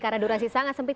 karena durasi sangat sempit